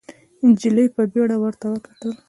نجلۍ په بيړه ورته وکتل.